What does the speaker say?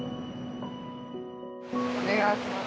お願いします。